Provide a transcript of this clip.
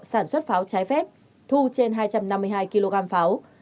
sản xuất pháo trái phép thu trên hai trăm năm mươi hai kg pháo